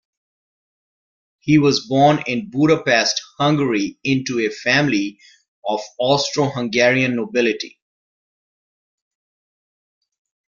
He was born in Budapest, Hungary into a family of Austro-Hungarian nobility.